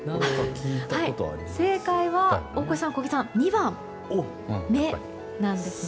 正解は大越さん、小木さん２番、目なんですね。